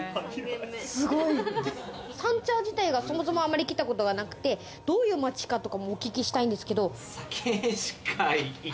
三茶自体がそもそも来たことなくて、どういう町かとか、お聞きしたいんですけど。